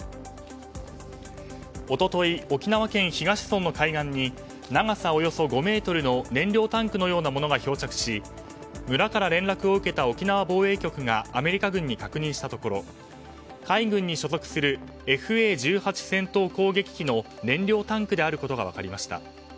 一昨日、沖縄県東村の海岸に長さおよそ５ｍの燃料タンクのようなものが漂着し村から連絡を受けた沖縄防衛局がアメリカ軍に確認したところ海軍に所属するＦＡ１８戦闘攻撃機の燃料タンクであることが分かりました。